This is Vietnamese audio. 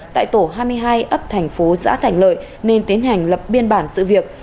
tại tổ hai mươi hai ấp thành phố xã thành lợi nên tiến hành lập biên bản sự việc